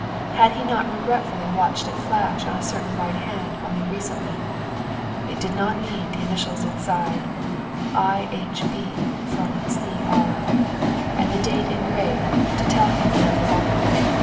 Had he not regretfully watched it flash on a certain white hand only recently ? It did not need the initials inside, "I. H. B. from C. R.," and the date engraved to tell him where it belonged.